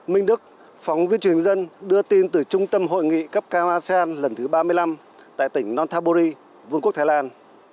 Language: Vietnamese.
minh đức phóng viên truyền dân đưa tin từ trung tâm hội nghị cấp cao asean lần thứ ba mươi năm tại tỉnh nonthaburi vương quốc thái lan